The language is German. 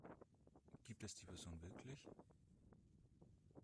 Gibt es die Person wirklich?